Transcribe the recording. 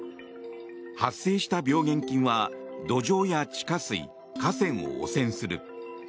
発生した病原菌は土壌や地下水、河川を汚染する。